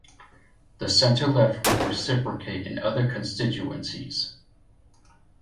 The centre-left would reciprocate in other constituencies.